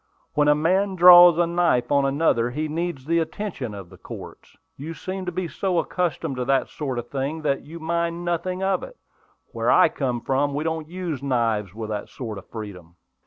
"When a man draws a knife on another, he needs the attention of the courts. You seem to be so accustomed to that sort of thing that you mind nothing about it. Where I come from we don't use knives with that sort of freedom."